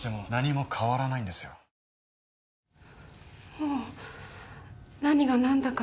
もう何が何だか。